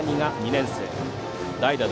２年生。